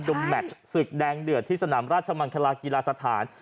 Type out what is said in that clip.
แมทศึกแดงเดือดที่สนามราชมังคลากีฬาสถาน